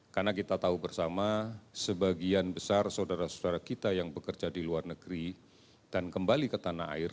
karena kita tahu bersama sebagian besar saudara saudara kita yang bekerja di luar negeri dan kembali ke tanah air